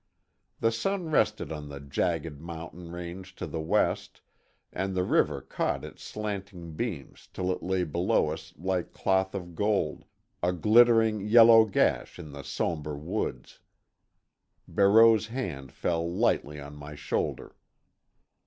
The sun rested on the jagged mountain range to the west, and the river caught its slanting beams till it lay below us like cloth of gold, a glittering yellow gash in the somber woods. Barreau's hand fell lightly on my shoulder.